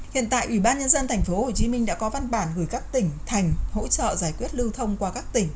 hiện tại ủy ban nhân dân tp hcm đã có văn bản gửi các tỉnh thành hỗ trợ giải quyết lưu thông qua các tỉnh